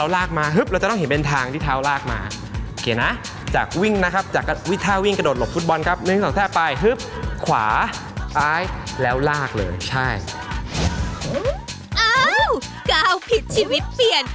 ก้าวผิดชีวิตเปลี่ยน